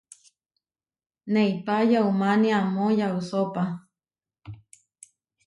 Neipá yaumánia amó yausópa.